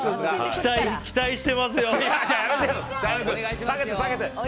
期待していますよ。